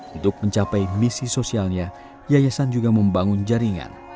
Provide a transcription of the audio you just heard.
untuk mencapai misi sosialnya yayasan juga membangun jaringan